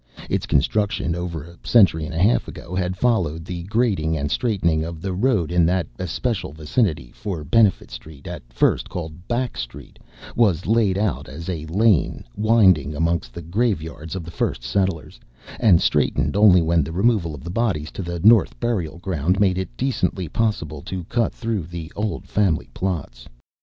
Its construction, over a century and a half ago, had followed the grading and straightening of the road in that especial vicinity; for Benefit Street at first called Back Street was laid out as a lane winding amongst the graveyards of the first settlers, and straightened only when the removal of the bodies to the North Burial Ground made it decently possible to cut through the old family plots.